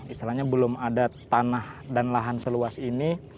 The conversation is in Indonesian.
istilahnya belum ada tanah dan lahan seluas ini